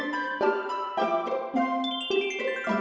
aku mudah untuk memperkuat deskripsi tajam